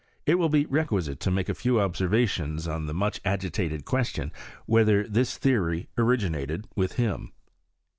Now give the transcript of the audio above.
It will be requisite to make a few observations on the much agi tated question whether this theory originated withhim.